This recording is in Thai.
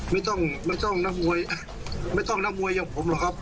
ไม่ต้องไม่ต้องนักมวยไม่ต้องนักมวยอย่างผมหรอกครับ